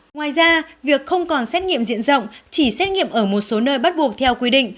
ngoài ra việc không còn xét nghiệm diện rộng chỉ xét nghiệm ở một số nơi bắt buộc theo quy định